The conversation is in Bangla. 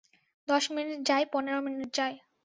দশ মিনিট যায়, পনেরো মিনিট যায়।